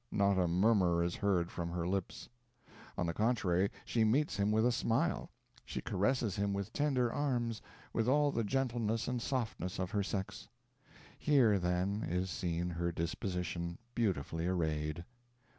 Not a murmur is heard from her lips. On the contrary, she meets him with a smile she caresses him with tender arms, with all the gentleness and softness of her sex. Here, then, is seen her disposition, beautifully arrayed.